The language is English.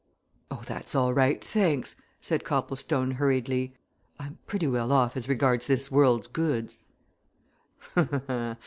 "Oh, that's all right, thanks!" said Copplestone, hurriedly. "I'm pretty well off as regards this world's goods."